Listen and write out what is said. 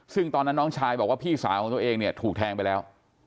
ซึ่งตอนนั้นน้องชายบอกว่าพี่สาวของตัวเองเนี่ยถูกแทงไปแล้ว